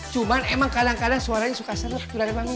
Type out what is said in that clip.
cuman emang kadang kadang suaranya suka seret tulalit mami